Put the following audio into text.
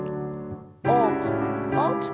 大きく大きく。